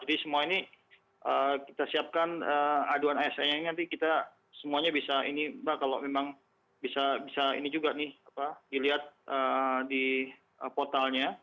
jadi semua ini kita siapkan aduan asnnya nanti kita semuanya bisa ini mbak kalau memang bisa ini juga nih apa dilihat di portalnya